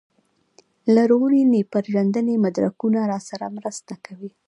لرغونپېژندنې مدرکونه راسره مرسته کوي.